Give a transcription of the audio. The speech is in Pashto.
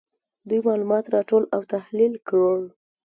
دوی معلومات راټول او تحلیل کړل.